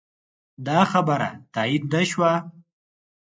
دا خبره تایید نه شوه.